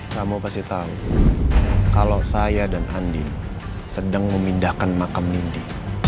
kamu pasti tahu kalau saya dan andi sedang memindahkan makam mindi